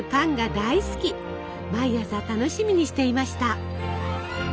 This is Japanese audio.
毎朝楽しみにしていました。